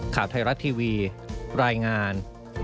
ข่าวไทยรัฐทีวีรายงาน